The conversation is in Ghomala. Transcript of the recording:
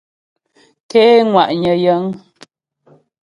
Ké ŋwà'nyə̀ yəŋ.